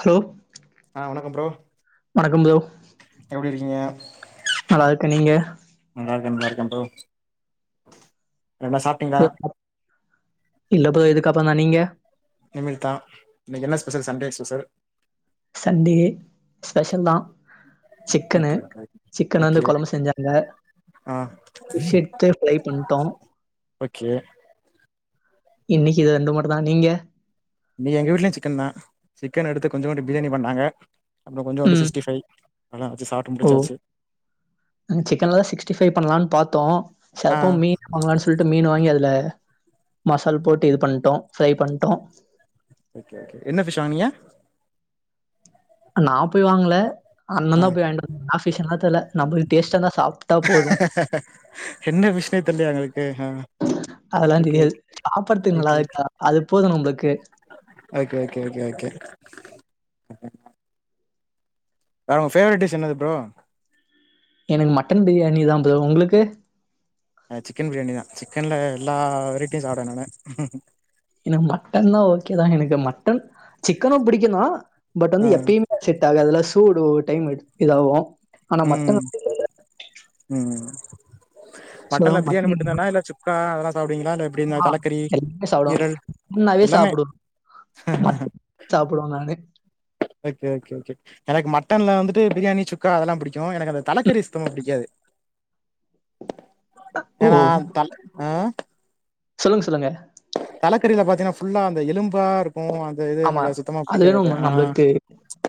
Hello ஆ வணக்கம் bro வணக்கம் ப்ரோ எப்டி இருக்கீங்க நல்லா இருக்க நீங்க நல்லாருக்க நல்லாருக்க ப்ரோ என்ன சாப் [inaudible] இல்ல ப்ரோ இதுக்கு அப்பற தா நீங்க இனிமேல் தா இன்னக்கி என்ன special Sundays special Sunday special தா சிக்கனு ஓகே ஓகே சிக்கன் வந்து ஓகே கொழம்பு செஞ்சாங்க ஆ பிஸ் எத்து ஃப்ரை பண்ட்டோ ஓகே இன்னக்கி இது ரெண்டு மட்டு தா நீங்க இன்னக்கி எங்க வீட்லயும் சிக்கன் தா சிக்கன் எடுத்து கொஞ்சோன்டு பிரியாணி பண்ணாங்க அப்றம் கொஞ்சோண்டு ம் சிக்ஸ்டி பைவ் எலாம் வச்சி சாப்டுமுடிச்சாச்சி சிக்கன்லாதா சிக்ஸ்டி பைவ் பண்ணலான் பாத்தோ ஆ சர் போ மீ்ன் அவங்கள வர சொல்ட்டு மீன் வாங்கி அதுல மசால் போட்டு இது பண்ட்டோ ஃப்ரை பண்ட்டோ ஓகே ஒகே என்ன ஃபிஷ் வாங்னீங்க நா போய் வாங்ல அண்ண ஆ தா போய் வாங்வந்தா இனா ஃபிஷ்ன்ல்லா தெர்ல நம்புளுக்கு டேஸ்டாந்தா சாப்டா போதும் என்ன ஃபிஷ்னே தெர்யா உங்ளுக்கு அ அதெல்லா தெரியாது சாப்பட்றதுக்கு ஓகே ஓகே நல்லாருக்கா அது போது நம்பள்க்கு okay okay K K K. அ உ ஃபாவரட்டிஸ் என்னது ப்ரோ எனக்கு மட்டன் பிரியாணி தா ப்ரோ உங்ளுக்கு எனக்கு சிக்கன் பிரியாணி தா சிக்கன்ல எல்லா வெரைட்டியு சாப்டுவே நானு எனக்கு மட்டன் தா ஓகேதா அது எனக்கு மட்டன் சிக்கனு புடிக்கு தா பட் வந்து ஆ எப்பயுமே செட் ஆகாதுல சூடு ஒரு டைம் எடுக்கலாவ ம் ம் மட்டன்ல பிரியாணி மட்டன் மட்டுதானா இல்ல சுக்கா அதெல்லா சாப்டுவீங்களா இல்ல எப்டி இந்த தலைக்கறி ஈரல் ஃபுல்லாவே எல்லாமே சாப்டு சாப்டுவோ நானே ஓகே ஓகே ஓகே எனக்கு மட்டன்ல வந்துட்டு பிரியாணி சுக்கா அதெல்லா புடிக்கு எனக்கு அந்த தலைக்கறி சுத்தமா புடிக்காது ஓ அ தல அ சொல்லுங்க சொல்லுங்க தலக்கறில பாத்தீங்கனா ஃபுல்லா அந்த எலும்பா இருக்கு அந்த இது ஆமா எனக்கு சுத்தமா அதுவே புடிக்காது நம்ம அது ஆ நம்மளுக்கு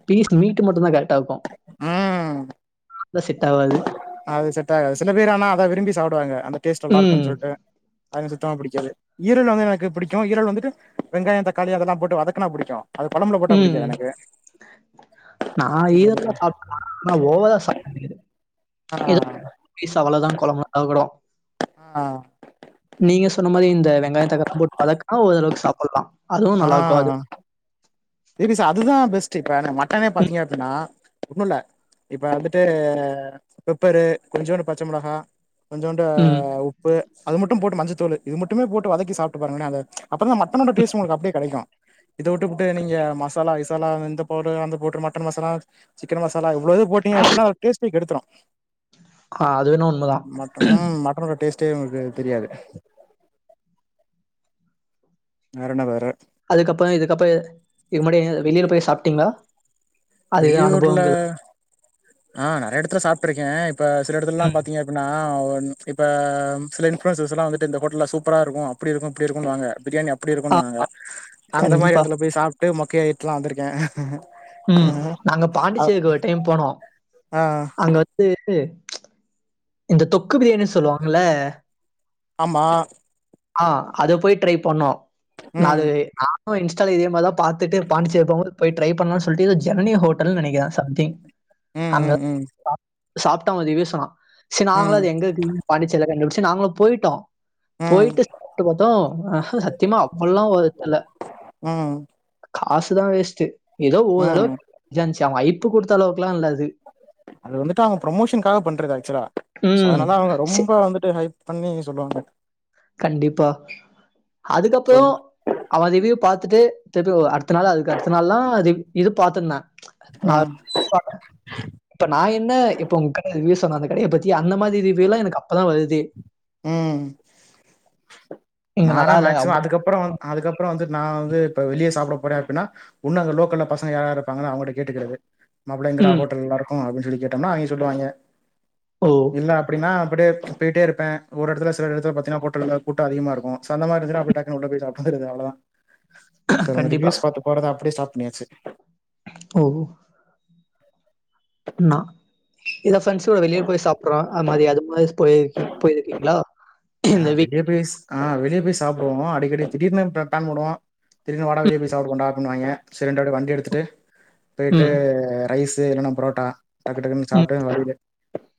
பீஸ் மீட்டு மட்டுதா கரெக்டா இருக்கு ம் அதா செட் ஆவாது அது செட் ஆகாது சில பேர் ஆனா அதை விரும்பி சாப்டுவாங்க அந்த டேஸ்ட் நல்லா ம் இருக்குன் சொல்ட்டு அது எனக்கு சுத்தமா புடிக்காது ஈரல் வந்து எனக்கு புடிக்கு ஈரல் வந்துட்டு வெங்காய தக்காளி அதெல்லா போட்டு வதக்குனா புடிக்கு அது கொழம்புல போட்டா ம் புடிக்காது எனக்கு நா அப்பற என்னது ஈரலா ஆனா ஓவரா சாப்ட முடியாது எதே ஆ ஒரு பீஸ் அவ்ளோ தா கொழம்பு அது கூட ஆ நீங்க சொன்ன மாரி இந்த வெங்காய தக்காளில்லா போட்டு வதக்குனா ஓரளவுக்கு சாப்டலா அதுவு நல்லா இருக்கு அது விபி சார் அதுதா பெஸ்ட் இப்ப ந மட்டனே பாத்தீங்க அப்டின்னா ஒன்னுல்ல இப்ப வந்துட்டு பெப்பரு கொஞ்சோண்டு பச்ச மொளகா கொஞ்சோண்டு ம். உப்பு அது மட்டு போட்டு மஞ்சத்தூள் இது மட்டுமே போட்டு வதக்கி சாப்ட்டு பாருங்களே அத அப்போதா மட்டனோ ட டேஸ்ட் உங்களுக்கு அப்படியே கெடைக்கு இதை விட்டுபுட்டு நீங்க ஏ மசாலா கிசாலா இந்த பவுடரு அந்த powder mutton masala chicken masala இவ்ளோவயு போட்டிங்க அப்டினா ஒரு டேஸ்ட்டே கெடுத்துரு அது என்னவோ உண்மதா மட்டன் ஓட டேஸ்ட் டே உங்கள்க்கு தெரியாது வேறென்ன வேற அதுக்கப்பற இதுக்கப்பற இது முன்னாடி வெளியூர் போய் சாப்ட்டீங்ளா வெளியூர்ல ஆ நெறய எடத்துல சாப்ட்டுருக்க இப்ப சில எடத்துலல்லா ம். பாத்தீங்க அப்டினா அ இப்ப சில இன்ஃப்லுயன்சர்ஸ்ல்லாவந்து இந்த ஹோட்டல்ல சூப்பரா இருக்கு அப்டி இருக்கு இப்டி இருக்குனு வாங்க பிரியாணி அப் அப்டி ஆ இருக்குன்னுவாங்க அந்த மாரி கண்டிப்பா. எடத்துல போய் சாப்ட்டு மொக்கயாய்ட்டுலா வந்திருக்க ம் நாங்க பாண்டிச்சேரிக்கு ஒரு டைம் போனோ ஆ அங்க இது இந்த தொக்கு பிரியாணின் சொல்லுவாங்கள ஆமா ஆ அத போய் ட்ரை பண்ணோ ம் நாது அ இன்ஸ்டால இதே மாதிரிதா பாத்துட்டு பாண்டிச்சேரி போனப்ப போய் ட்ரை பண்ணலு சொல்லிட்டு ஜெனனி ஹட்டல்ன்னு நனைக்குறே சம்திங் ம் அங்க ம் ம் சாப்ட சாப்ட்ட ரீவ்யூஸ் சரி நாங்களு ம் அது எங்க இருக்குனு பாண்டிச்சேரில கண்டுபிடிச்சு நாங்களு போயிட்டோ ம் போயிட்டு சாப்பிட்டு பாதோ சத்தியமா அப்டில்லாம ஒருதுல ம் காசுதா வேஸ்ட் ஏதோ ம் ஓரளவுக்கு இதாருந்துச்சு அவன் யைப்பு கொடுத்த அளவுக்கொல்லா இல்லா அது அது வந்துட்டு அவுங்க ப்ரொமோஷனக்காக பண்றது ஆக்சுவலா ம். அதுனால அவுங்க சே ரொம்ப வந்துட்டு ஹய் பண்ணி சொல்லுவாங்க கண்டிப்பா அதுக்கப்றோ சொல் அவன் ரிவுவ்யு பாத்துட்டு திருப்பி அடுத்த நாள் அதுக்கு அடுத்த நாள்லா இது பாத்ரலா நான் ம் என்ன இப்ப நா என்ன இப்ப உங்க கடை வ சொன்னேன் அந்த அந்த மாதிரி ரிவியலா எனக்கு அப்பதா வருது உ இங்க நானா நல்லா இல்ல. மேக்சிமம் அவ்ளோ அதுக்கப்புறோ வந்து அதுக்கப்புறோ வந்து நா வந்து இப்ப வெளியே சாப்பிட போறே அப்படின்னா உண்ணு அங்க லோக்கல்ல பசங்க யாரா இருப்பாங்கன்னா அவுங்கட கேட்டுக்கறது மாப்ள எங்கடா ம். ஹோட்டல் நல்ல இருக்கு அப்டின்னு சொல்லி கேட்டோம்னா அவிங்க சொல்லுவாங்கே ஓ இல்ல அப்டின்னா அப்டியே போய்ட்டே இருப்பே ஒரு இடத்து சில இடத்துல பத்தினன்னா போல கூட்ட அதிகமா இருக்கு சோ அந்த மாதிர இருந்து டக்குனு உள்ள போய சப்பிடாது அவ்ளதா சார் உ கண்டிப்பா. ரிவூஸ் பாத்து போறத அப்படியே ஸ்டாப் பண்ணியாச்சு ஓ இதான் ஃப்ரெண்ட்ஸ் கூட வெளியில போய் சாப்பிடுறோ அது மாதிரி அது மாதிர போயிரு போயிருக்கீங்களா ஆ இந்த வீக் வெளிய சா ஆ வெளிய போய் சாப்பிடுவோ அடிக்கடி திடீர்ன்னு பிளான் போடுவோ திடீர்னு வாடா வெளியே போய் சாப்பிடுவோ அப்பிடினுவாங்க சரின்னுட அப்டே வண்டி எடுத்துட்டு போயிட்டு ம். ரைசு இல்லன்னா பரோட்டா டக்கு டக்குன்னு ம். சாப்ட்டு வழில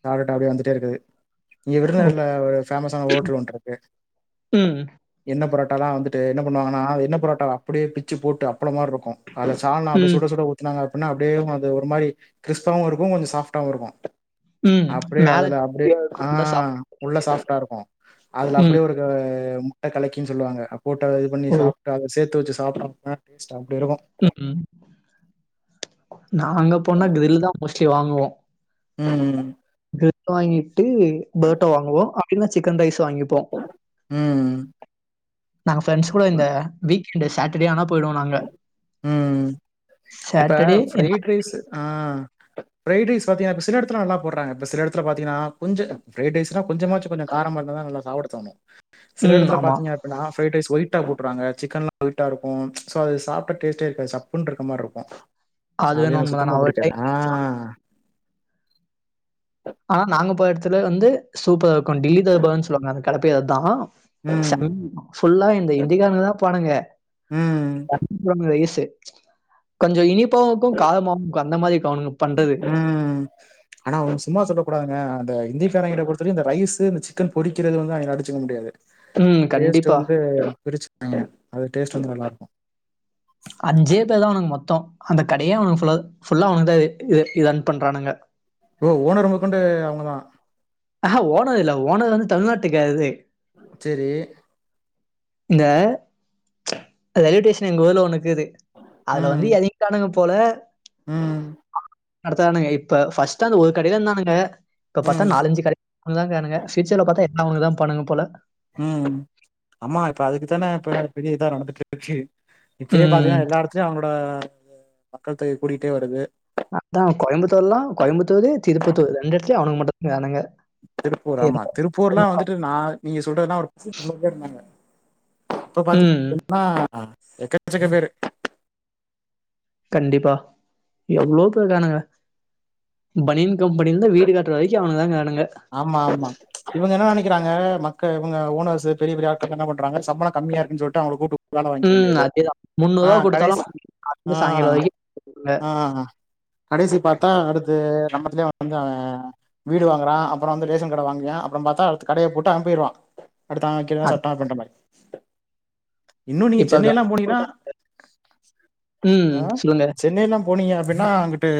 சாப்ட்டு அப்படியே வந்துட்டே இருக்குது இங்க ஓ! விருதுநகர்ல ஒரு பேமஸ் ஆனா ஹோட் ட்டல் ஒன்னு இருக்கு ம், எண்ண பரோட்டாலா வந்துட்டு என்ன பண்ணுவாங்கன்னா என்ன பரோட்டாவ அப்டியே பிச்சு போட்டு அப்பளோ மாதிரி இருக்கு அதுல சால்நா அப்படியே ம், சுட சுட ஊத்தினாங்க அப்டினா அப்டியே அது ஒரு மாதிரி கிரிஸ்பாகவு இருக்கு கொஞ்சொ சாஃப்டாவு இருக்கு ம். அப்படியே மேல அதுல அப்படியே கிறிஸ்பியா இருக்கும். உள்ள சாஃப்ட். ஆஹ் உள்ள சாஃப்ட்டா இருக்கு அதுல ம். அப்டியே ஒரு முட்டை கலக்கின்னு சொல்லுவாங்க போட்ட இது பண்ணி ஓ! சா அத சேர்த்து வச்சு சாப்பிறானுங்க ம் நா அங்க போனா கிரில்லு தா மோஸ்ட்லி வாங்குவோ உ உ கிரில் வாங்கிட்டு பரோட்டா வாங்குவோ அப்டி இல்லனா சிக்கன் ரைஸ் வாங்கிப் உ நாங்க ஃப்ரெண்ட்ஸ் கூட இந்த வீக்கெண்ட்டு சேட்டர்டே ஆனா போயிடுவோ நாங்க உ இப்ப சாட்டர்டே இல்ல ஃபிரைட் ரைஸ் ஆஹ் பிரைட் ரைஸ் பாத்தீங்கனா இப்ப சில இடத்துல நல்ல போடறாங்க இந்த சில இடத்துலத்த பாத்தீங்கனா கொஞ்சோ ப்ரைட் ரைஸ்ன்னா கொஞ்சமாச்சு கொஞ்சோ காரமா இருந்த தா நல்லா இரு சாப்பிட தோணு சில ம் இடத்துல ஆமா. பாத்தீங்க அப்படின்னா ப்ரைடு ரைஸ் ஒயிட்டா போட்டுறாங்க சிக்கன் எல்லா ஒயிட்டாக்கு சோ அது சாப் இப்ப டேஸ்டே இருக்காது சப்புன்னு இருக்க மாறி இருக்கு அது வேணா என்னக்கு உண்மதான். சுத்தமா நான் ஒரு புடிக்காது டைம் ஆனா நாங்க போற இடத்துல வந்து சூப்பரா இருக்கு டெல்லி தாபான்னு சொல்லுவாங்க அந்த கடைப்பேரு அதா ம். செம புல்லா இந்த ஹிந்தி காரனுக்குதா இருப்பானுங்க ம். [inaudible] வயசு கொஞ்சோ இனிப்பவு இருக்கு காரமாவுஇருக்கு அந்த மாதிரி இருக்கு அவனுங்க பண்றது ம். ஆனா அவுங்க சும்மா சொல்லக் கூடாதுங்க அந்த ஹிந்திகாரனுங்க பொறுத்த வரைக்கு இந்த ரைஸ்சு இந்த சிக்கன் பொரிக்கிறது வந்து அவுங்கள அடிச்சுக்க முடியாது ம். டேஸ்ட் கண்டிப்பா. வந்து பிரிச்சுப்பாங்க அதோட டேஸ்ட் வந்து நல்லா இருக்கும் அஞ்சே பேர் தா அவனுக்கு மொத்தோ அந்த கடையே அவனுக்கு ஃபுல்லா ஃபுல்லா அவனுக்கு தா இ இது இது ரன் பண்ணுறானுங்க ஓ ஓனர்ங்க கொண்டு அவுங்கதா ஆ ஓனர் இல்ல ஓனர் வந்து தமிழ்நாட்டுக்கறது சேரி இந்த ரயில்வே ஸ்டேஷன் எங்க ஊர்ல ஒன்னு கீது அதுல வந்து ம். எறங்கிட்டானுங்க போல ம் நடத்தனானுங்க இப்ப பர்ஸ்ட் அந்த ஒரு கடைல இருந்தானங்க இப்ப பத்தா ம். நாலஞ்சு க அவனுங்கதா இருக்காணுங்க பியூச்சர்ல பாத்தா எல்லா அவனுங்கதா இருப்பானுங்க போல ம் ஆமா இப்ப அதுக்கு தான இப்ப பெரிய இதா நடந்து ருக்கு இப்பயே ம். பாத்தீங்கன்னா எல்லா எடத்துலயும் அவங்களோட மக்கள் தொகை கூடிட்டே வருது ஆ அதான் கோயம்புத்தூர்லாம் கோயம்புத்தூர் திருப்பத்தூர் ரெண்டு எடத்தலையும் அவனுங்க மட்டுந்தா கானுங்க திருப்பூர் ஆமா திருப்பூர்ல்லா வந்துட்டு நா நீங்க சொல்றதுல்லாம் [inaudible] இருந்தாங்க இப்ப ம். பாத்தீங்கன்னா எக்கச்சக்க பேரு கண்டிப்பா எவ்ளோ பேரு இருக்கானுங்க பனியன் கம்பெனிலருந்து வீடு காட்டுற வரைக்கும் அவனுக்க தா இருக்காணுங்க ஆமா ஆமா இவங்க என்ன நெனைக்கிறாங்க மக்கள் இங்க ஓனர்ஸ் பெரிய பெரிய ஆட்கள் என்ன பண்றாங்க சம்பள கம்மியா இருக்குன்னு சொல்லிட்டு அவங்கள கூப்பிட்டு வேல வாங்கிக்க ம். வேண்டியது அதேதான். ரூ. ஆ கொடுத்தாலும் கடைசி ஆ வந்து சாயங்காலம் வரைக்கும் இருப்பாங்க. ஆ கடைசி பாத்தா அடுத்து நம்ம எடத்துலயே வந்து அவே வீடு வாங்குறா அப்பறோ வந்து ரேசன் கார்டு வாங்குவியா அப்பறோ பாத்தா அடுத்த கடைய போட்டு அவே போயிருவா அடுத்து அவன்வேக்குறதா அத் சட்டோ அப்டின்ற மாரி இன்னு நீங்க இப்ப க சென்னையல்லா போனீங்கன்னா ம். ஆ சொல்லுங்க. சென்னையல்லாம் போனீங்க அப்படின்னா அங்கட்டு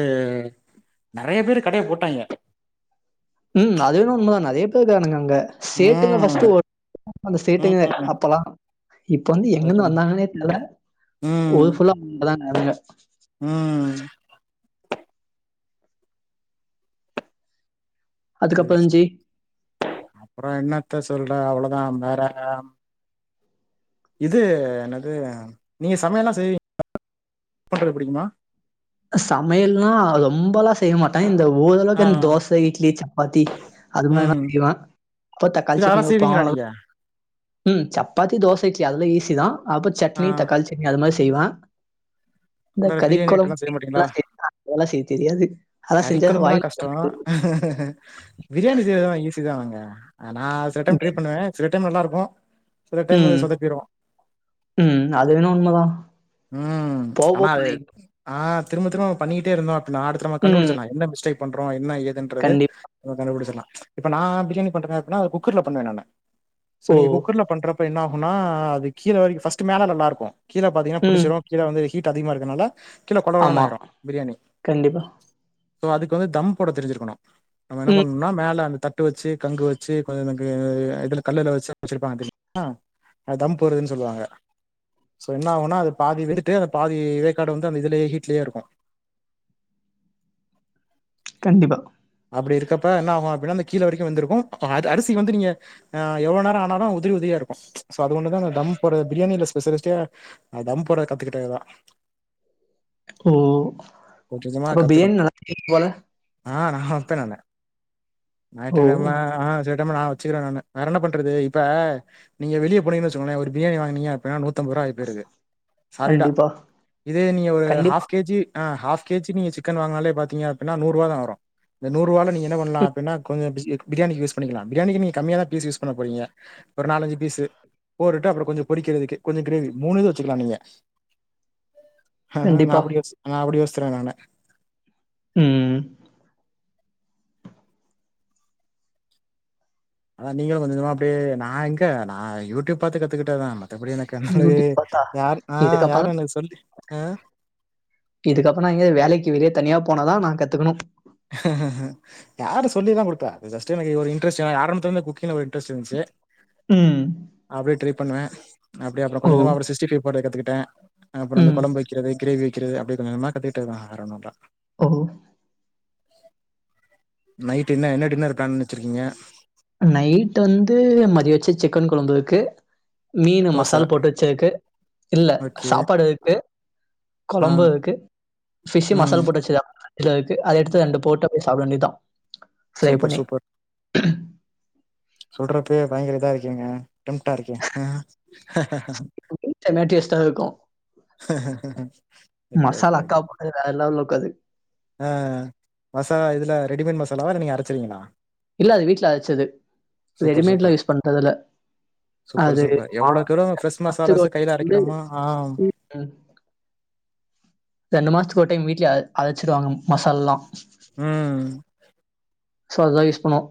நறைய பேரு கடைய போட்டாங்க ம் அதுவேன்னவோ உண்மதா நறைய பேருக்கானுங்க அங்க சேட்டுங்க ம் ஃபர்ஸ்ட்டு ஒட் அந்த சேட்டுங்க ம் அப்பல்லா இப்ப வந்து எங்க அத இருந்து சொல்லுங்க வந்தாங்கன்னே தெரியல ம் ஊருபுல்லா அவனுங்க தா இருக்காணுங்க ம் சேரி அதுக்கப்புறம் இருந்துச்சு, சேரி அப்பறோ என்னத்த சொல்ற அவளதா வேற இது என்னது நீங்க சமையல்லா செய்வீங் பண்றது பிடிக்குமா சமையல்னா ரொம்பல்லா செய்ய மாட்டே இந்த ஆ ஓரளவுக்கு இந்த தோச இட்லி சப்பாத்தி அது மாதிரிதா ம் செய்யுவே அப்ப தக்காளி இது சட்னி அதெல்லா வெப்போ செய்வீங்களா அவ்ளதா நீங்க ம் சப்பாத்தி தோச இட்லி அதெல்லாம் ஈஸி தா அப்ப ஆ சட்னி தக்காளி சட்னி அது மாரி செய்வே இந்த வேற கறி பிரியாணி ஐட்டம்லா செய்ய கொழம்பு மாட்டீங்களா அதெல்லா செய்ய தெரியாது ஆனா கறி செஞ்சா கொழம்புதா வாயில வைக்க கஷ்டோ முடியாது பிரியாணி செய்றதெல்லா ஈஸி தான்ங்க நா சில டைம் ட்ரை பண்ணுவே சில டைம் நல்லா இருக்கும் சில டைம் ம். வந்து சொதப்பீரும் ம். அது வேணா உண்மதான். ம் போக போக அத பழகிடும். ஆ திரும்ப திரும்ப பண்ணிட்டே இருந்தோ அப்டின்னா அடுத்து நம்ம ம். கண்டுபுடிச்சர்லா என்ன மிஸ்டேக் பண்றோ என்ன ஏதுன்னு ன்றது கண்டிப் கண்டுபிடுச்சறலாம் இப்ப நா பிரியாணி பண்றேன்னா குக்கர்ல பண்ணுவே நானு சோ ஓ! நீங்க குக்கர்ல பண்றப்ப என்ன ஆகுனா அது கீழ வரைக்கும் பர்ஸ்ட் மேல நல்லா இருக்கும் கீழ பாத்தீங்கன்னா ம். புடிச்சுரும் கீழ வந்து ஹீட் அதிகமா இருக்கனால கீழ கொலகொலனு ஆமா. ஆயிரும் பிரியாணி கண்டிப்பா. சோ அதுக்கு வந்து தம்போட தெரிஞ்சிருக்கணும் நம்ம என்ன ம். பண்ணனுன்னா மேல அந்த தட் ட்டு வச்சு கங்கு வச்சு கொஞ்ச இதுல கல்லுல வச்சு வச்சிருப்பாங்க தெரியுமா அது தம் போட்றதுன் சொல்லுவாங்க சோ என்ன ஆகுன்னா அது பாதி வெந்துட்டு அந்த பாதி வேக்காடு வந்து அந்த இதுலே ஹீ்ட்லே இருக்கு கண்டிப்பா அப்டி இருக்கப்ப என்ன ஆகு அப்டினா அந்த கீழ வரைக்கு வெந்திருக்கு அ அது அரிசி வந்து நீங்க ஆ எவ்ளோ நேரோ ஆனாலு உதிரி உதிரியா இருக்கு சோ அது ஒன்னு தா அந்த தம் போட்ற பிரியாணில ஸ்பெஷலிஸ்ட்டே அது தம் போட்றது கத்துக்கிட்டதுதா ம் கொஞ்ச கொஞ்மா கத்துக்கணு ஆ நா வெப்பே நானு ஓ! ஞாற்றுகெழம ஆ சேர் கெழம நா வச்சிகிறே நானு வேற என்ன பண்றது இப்ப நீங்க வெளிய போனீங்கன் வெச்சுக்கோங்ளே ஒரு பிரியாணி வாங்னீங்க அப்பிட்னா நூத் தம்பர்ருவா வாய்பிருக்கு சாலிடா கண்டிப்பா. இதே நீங்க ஒரு கண்டிப்பா. ஹாஃப் கே ஜி ஆ ஹாஃ கே ஜி நீங்க சிக்கன் வாங்னாலே பாத்தீங்க அப்பிட்னா நூர்ருவா தா வரு இந்த நூர்ருவால நீங்க என்ன பண்ணலா ம். அப்பிட்னா கொஞ்ச பிஸ் அ பிரியாணிக்கு யூஸ் பண்ணிக்கலா பிரியாணிக்கு நீங்க கம்மியா தா பீஸ் யூஸ் பண்ண போறீங்க ஒரு நாலஞ்சு பீஸு போட்டுட்டு அப்பறோ கொஞ்ச பொரிக்கிறதுக்கு கொஞ்ச க்ரேவி மூணு இது வச்சிக்கலா நீங்க நா கண்டிப்பா. அப்பிடி வெஸ்ஸு நா அப்டி வெஸ்த்தரே நானு ம் அதா நீங்களு கொஞ்ச கொஞ்சமா அப்டியே நா எங்க நா யூடியூப் பாத்து கத்துக்கிட்டத் தா மத்தபடி எனக் கன்ஃப்ளே யூடியூப் பார்த்தா, யாரு ஆ யாரு இதுக்கப்பறம் எனக் சொல்லி ஆ இதுக்கப்றோ நா எங்யாது வேலைக்கு வெளிய தனியா போனதா நா கத்துக்கணு ஹஹா யாரு சொல்லில்லா குடுப்பா அது ஜஸ்ட்டு எனக்கு ஒரு இன்ட்ரஸ்ட்டு ஏனா ஆரம்பத்துலர்ந்தே குக்கிங்ல ஒரு இன்ட்ரஸ்ட் இர்ந்ச்சு ம். அப்டியே ட்ரை பண்ணுவே அப்டியே அப்றோ ஓ! கொஞ்ச கொஞ்சமா ஒரு சிக்ஸ்டி ஃபை போட கத்துகிட்டே அப்பறோ அந்த ம். கொழம் வைக்கிறது க்ரேவி வெக்கிறது அப்டியே கொஞ்ச கொஞ்சமா கத்துகிட்டத் தா வேற ஒன்னுல்ல ஓ ஓ நைட் என்ன என்ன டின்னர் பிளான் பண்ணி வச்சிருக்கீங்க நைட்டு வந்து மதிய வெச்ச சிக்கன் கொழம்பு இருக்கு மீனு தோசை மசால் போட்டு வெச்சிருக்கு இல்ல ஓகே சாப்பாடு இருக்கு ஆ கொழம்பு இருக்கு ஃபிஷ்ஷு ம் மசால் போட்டு வெச்சுத் தா இது இருக்கு அத எடுத்து ரெண்டு போட்டா போய் சாப்ட வேண்டியத் தா ஃப்ரை சூப்பர் பண்ணி சொல்றப்பயே பயங்கர இதா இருக்கீங்க டெம்ட்டா இருக்கே செம டேஸ்ட்டா இருக்கு ஓகே அல்லா ஓகே அக்கா போட்டது வேற லெவல்ல இருக்கு அது ஆ மசாலா இதுல ரெடிமேட் மசாலாவா இல்ல நீங்க அரச்சிருவீங்களா இல்ல அது வீட்ல அர்ச்சது சூப்பர் ரெடிமேட்லா சூப்பர் யூஸ் பண்றதில்ல சூப்பர் அது சூப்பர் எவ்ளோக்கெவ்ளோ ஃப்ரெஷ் மாசத்துக்கு மசாலாஸ்ஸ ஒரு டைம் கைல வந்து அரைக்றமோ ஆ ம் ரெண்டு மாஸ்த்துக் ஒரு டைம் வீட்லே அ அரச்சிடுவாங்க மசால்லா ம் சோ அது தா யூஸ் பண்ணுவோ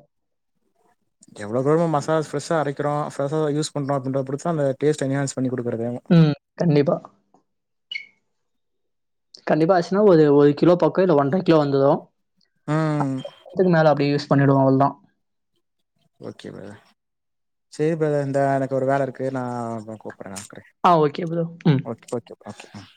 எவ்ளோக்கெவ்ளோ மசால்ஸ் ஃப்ரெஷ்ஷா அரைக்கிறோ ஃப்ஷஷ்ஷா யூஸ் பண்றோ அப்டின்ற பொறுத்து தா அந்த டேஸ்ட் என்கேனன்ஸ் பண்ணி குடுக்கறதேவு ம் கண்டிப்பா கண்டிப்பா அர்ஸ்ன்னா ஒரு ஒரு கிலோ பக்கோ இல்ல ஒன்ற கிலோ வந்துரு ம் அதுக்கு மேல அப்டியே யூஸ் பண்ணிடுவோ அவ்ள் தா ஓகே பிரதர் செரி பிரதர் இந்த எனக்கு ஒரு வேல இருக்குது நா கூப்பட்ற வைக்கற ஆ ஓகே ப்ரோ ம் ஓகே ப்ரோ ம்